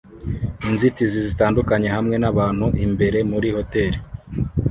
inzitizi zitandukanye hamwe nabantu imbere muri hoteri